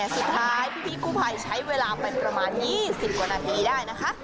สุดท้ายพี่กู้ภัยใช้เวลาไปประมาณ๒๐กว่านาทีได้นะคะ